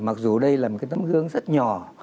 mặc dù đây là một cái tấm gương rất nhỏ